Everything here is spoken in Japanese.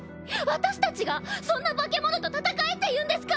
私たちが⁉そんな化け物と戦えっていうんですか！